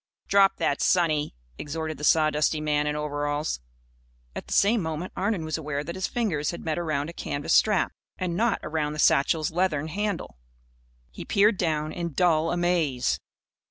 "Drop that, sonny!" exhorted the sawdusty man in overalls. At the same moment Arnon was aware that his fingers had met around a canvas strap and not around the satchel's leathern handle. He peered down, in dull amaze.